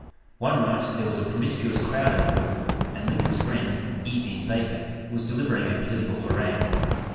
One night there was a promiscuous crowd in the hall, and Lincoln's friend, E. D. Baker, was delivering a political harangue.